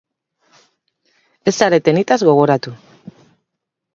Ez zarete nitaz gogoratu.